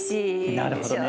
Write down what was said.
なるほどね。